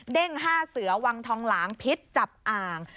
เด้งห้าเสือวังทองหลางพิษจับอ่าง